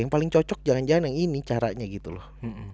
yang paling cocok jangan jangan yang ini caranya gitu loh